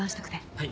はい。